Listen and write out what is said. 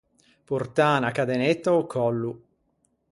Portâ unna cadenetta a-o còllo.